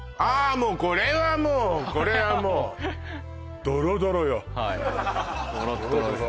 もうこれはもうこれはもうドロドロよはいドロッドロです